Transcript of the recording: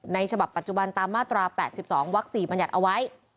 ฉบับปัจจุบันตามมาตรา๘๒วัก๔บัญญัติเอาไว้